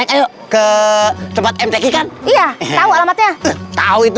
ke tempat mtk kan iya tahu alamatnya tahu itu